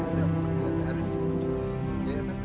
ada pernah pulih pernah apa